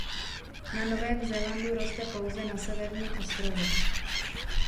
Na Novém Zélandu roste pouze na Severním ostrově.